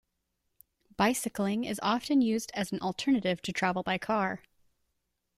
Bicycling is often used as an alternative to travel by car.